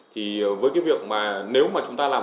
thì với cái việc mà nếu mà chúng ta làm